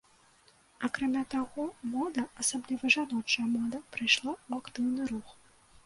Акрамя таго, мода, асабліва жаночая мода, прыйшла ў актыўны рух.